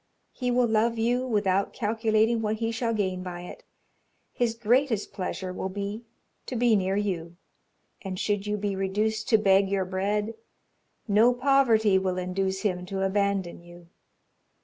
He will love you without calculating what he shall gain by it his greatest pleasure will be to be near you and should you be reduced to beg your bread, no poverty will induce him to abandon you.